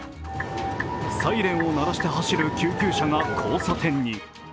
サイレンを鳴らして走る救急車が交差点に。